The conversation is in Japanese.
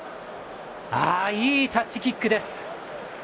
いいタッチキックです。